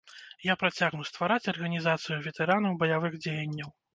Я працягну ствараць арганізацыю ветэранаў баявых дзеянняў.